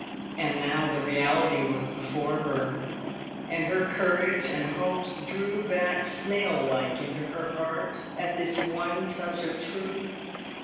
And now the reality was before her, and her courage and hopes drew back snail like into her heart at this one touch of truth.